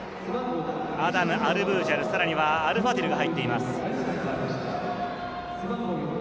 アダム、アルブーシャル、さらにアルファティルも入っています。